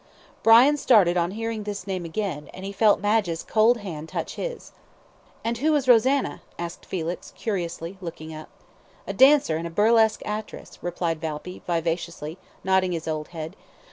Brian started on hearing this name again, and he felt Madge's cold hand touch his. "And who was Rosanna?" asked Felix, curiously, looking up. "A dancer and burlesque actress," replied Valpy, vivaciously, nodding his old head.